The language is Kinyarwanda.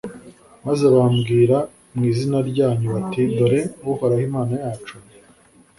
maze bambwira mu izina ryanyu bati «dore uhoraho imana yacu.